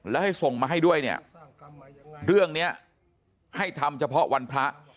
แล้วให้ส่งมาให้ด้วยเนี่ยเรื่องนี้ให้ทำเฉพาะวันพระ